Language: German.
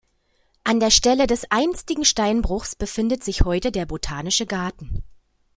An der Stelle des einstigen Steinbruchs befindet sich heute der Botanische Garten.